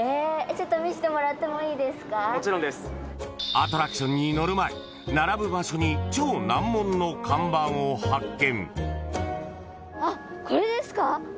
［アトラクションに乗る前並ぶ場所に超難問の看板を発見］